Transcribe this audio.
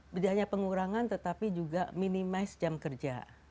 tidak hanya pengurangan tetapi juga minimize jam kerja